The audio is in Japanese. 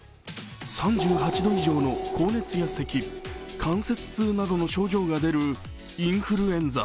３８度以上の高熱やせき関節痛などの症状が出るインフルエンザ。